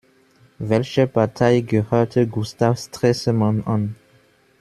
Welcher Partei gehörte Gustav Stresemann an?